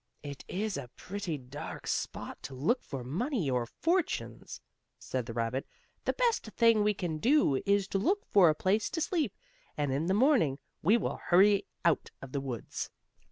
"It is a pretty dark spot to look for money, or fortunes," said the rabbit. "The best thing we can do is to look for a place to sleep, and in the morning we will hurry out of the woods."